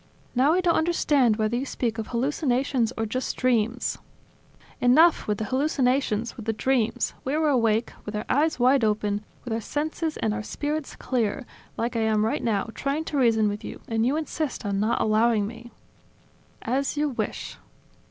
Now I don't understand whether you speak of hallucinations or just dreams ..." "Enough with the hallucinations, with the dreams! We were awake, with our eyes wide open, with our senses and our spirits clear, like I am right now, trying to reason with you, and you insist on not allowing me." "As you wish."